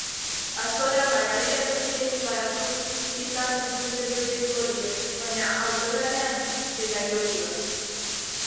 Askotan baliabide gutxirekin garatu izan dituzte proiektu horiek, baina auzolanean eta ilusioz.